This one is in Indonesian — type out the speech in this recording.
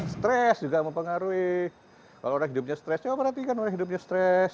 stres juga mempengaruhi kalau orang hidupnya stres coba perhatikan orang hidupnya stres